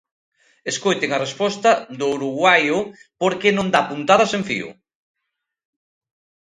Escoiten a resposta do uruguaio porque non dá puntada sen fío.